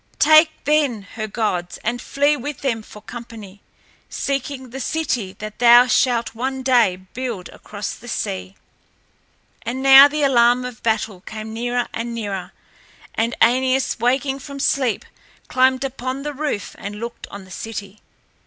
Take then her gods and flee with them for company, seeking the city that thou shalt one day build across the sea." And now the alarm of battle came nearer and nearer, and Æneas, waking from sleep, climbed upon the roof and looked on the city.